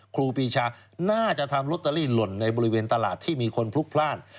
ครูปีชาน่าจะทำลอตเตอรี่หล่นในบริเวณตลาดที่มีคนพลุกพลาด